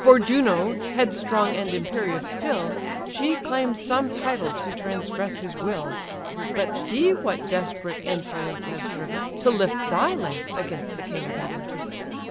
For Juno, headstrong and imperious still, She claims some title to transgress his will: But thee, what desperate insolence has driven To lift thy lance against the king of heaven?"